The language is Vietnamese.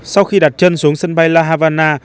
sau khi đặt chân xuống sân bay la havana